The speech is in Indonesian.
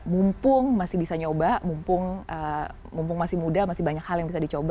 mumpung masih bisa nyoba mumpung mumpung masih muda masih banyak hal yang bisa dicoba